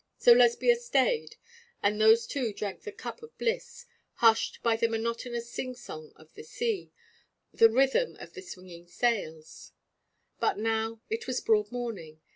So Lesbia stayed, and those two drank the cup of bliss, hushed by the monotonous sing song of the sea, the rhythm of the swinging sails. But now it was broad morning.